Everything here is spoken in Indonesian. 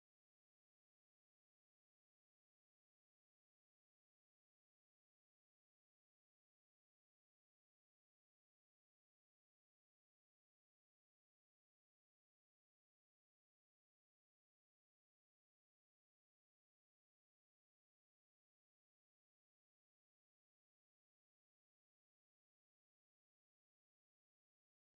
iya terus ada porsi grand tour